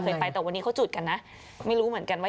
ไปแต่วันนี้เขาจุดกันนะไม่รู้เหมือนกันว่า